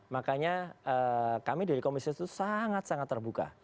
makanya kami dari komisi satu sangat sangat terbuka